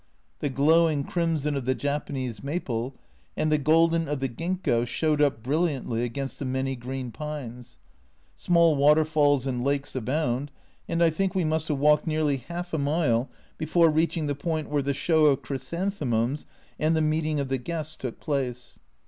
The glowing crimson of the Japanese maple, and the golden of the Ginkgo showed up brilliantly against the many green pines ; small waterfalls and lakes abound, and I think we must have walked nearly half a mile before reaching the point where the show of chrysanthemums and the meeting of the guests took place.